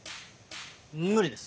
無理です。